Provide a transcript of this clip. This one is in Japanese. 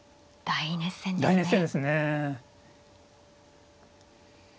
大熱戦ですね。